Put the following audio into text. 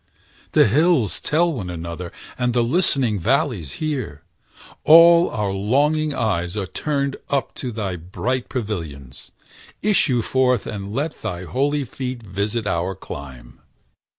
The hills tell one another, and the listening Valleys hear; all our longing eyes are turned Up to thy bright pavilions: issue forth And let thy holy feet visit our clime!